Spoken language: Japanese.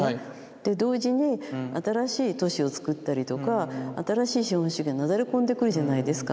で同時に新しい都市をつくったりとか新しい資本主義がなだれ込んでくるじゃないですか。